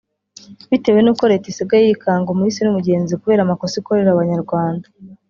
bitewe n’uko leta isigaye yikanga umuhisi n’umugenzi kubera amakosa ikorera abanyarwanda